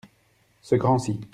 Ce grand-ci.